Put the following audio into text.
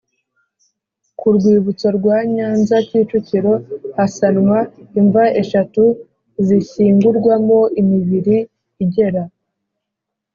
ku rwibutso rwa Nyanza Kicukiro hasanwa imva eshatu zishyingurwamo imibiri igera